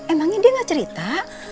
emangnya dia gak cerita